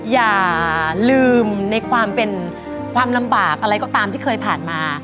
อย่าลืมในความเป็นความลำบากอะไรก็ตามที่เคยผ่านมา